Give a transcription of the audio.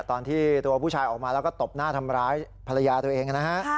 ตอนที่ตัวผู้ชายออกมาแล้วก็ตบหน้าทำร้ายภรรยาตัวเองนะฮะ